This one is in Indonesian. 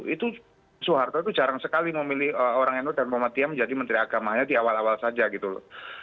itu soeharto itu jarang sekali memilih orang nu dan muhammadiyah menjadi menteri agamanya di awal awal saja gitu loh